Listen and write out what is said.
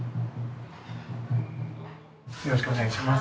よろしくお願いします。